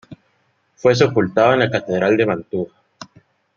Fue sepultado en la Catedral de Mantua.